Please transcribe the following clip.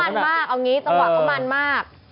ต้องหวังเขามันมากเอาอย่างนี้ต้องหวังเขามันมาก